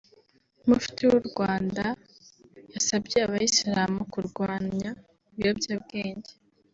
Mufti w’u Rwanda yasabye abayisilamu kurwanya ibiyobyabwenge